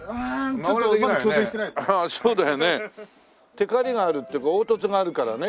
テカリがあるっていうか凹凸があるからね